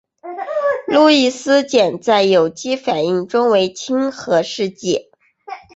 路易斯碱在有机反应中为亲核试剂。